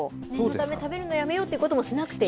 食べるのやめようということをしなくていい？